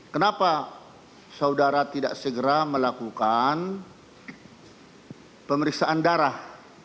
kenapa saudara tidak segera melakukan pemeriksaan darah